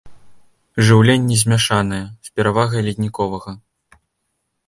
Жыўленне змяшанае, з перавагай ледніковага.